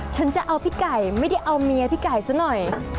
ฉันจะเอาพี่ไก่ไม่ได้เอาเมียพี่ไก่ซะหน่อย